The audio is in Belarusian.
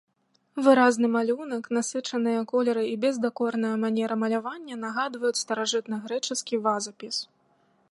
Выразны малюнак, насычаныя колеры і бездакорная манера малявання нагадваюць старажытнагрэчаскі вазапіс.